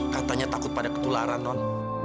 katanya takut pada ketularan non